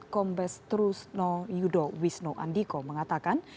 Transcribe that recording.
kombes trusno yudo wisnu andiko mengatakan